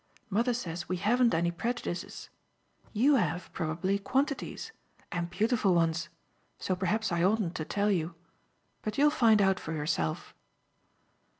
Mother says we haven't any prejudices. YOU have, probably, quantities and beautiful ones: so perhaps I oughtn't to tell you. But you'll find out for yourself."